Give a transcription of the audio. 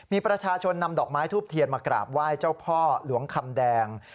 มีประชาชนนำดอกไม้ทูบเทียนมากราบไหว้เจ้าพ่อหลวงคำแดง